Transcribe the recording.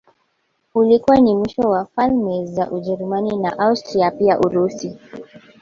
Ulikuwa ni mwisho wa falme za Ujerumani na Austria pia Urusi